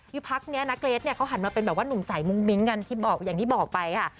อยู่พักนี้เกรดเขาหันมาเป็นหนุ่มสายมุ้งมิ้งอย่างที่บอกไปค่ะ